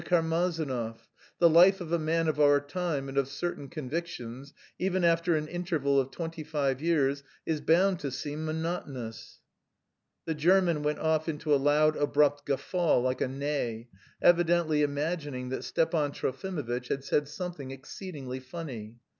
Karmazinov,_ the life of a man of our time and of certain convictions, even after an interval of twenty five years, is bound to seem monotonous..." The German went off into a loud abrupt guffaw like a neigh, evidently imagining that Stepan Trofimovitch had said something exceedingly funny.